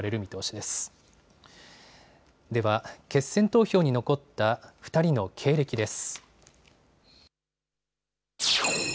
では決選投票に残った２人の経歴です。